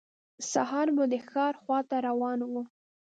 سهار به د ښار خواته روان و.